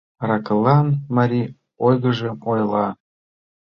Ракылан марий ойгыжым ойла.